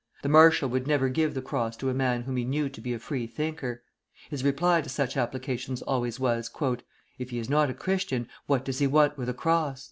The marshal would never give the cross to a man whom he knew to be a free thinker. His reply to such applications always was: "If he is not a Christian, what does he want with a cross?"